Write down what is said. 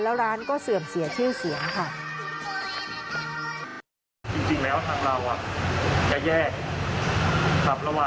แล้วร้านก็เสื่อมเสียชื่อเสียงค่ะ